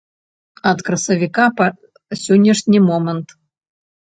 Ад красавіка па сённяшні момант.